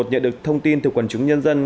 nhận được thông tin từ quần chúng nhân dân